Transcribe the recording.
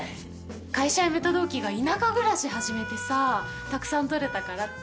会社辞めた同期が田舎暮らし始めてさたくさん採れたからって。